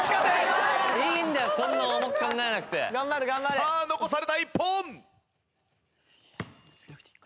さあ残された１本！